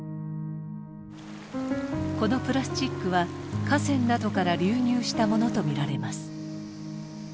このプラスチックは河川などから流入したものとみられます。